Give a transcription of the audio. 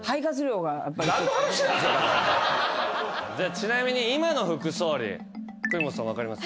ちなみに今の副総理国本さん分かります？